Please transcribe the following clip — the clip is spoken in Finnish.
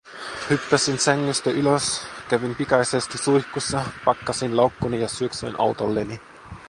Hyppäsin sängystä ylös, kävin pikaisesti suihkussa, pakkasin laukkuni ja syöksyn autolleni.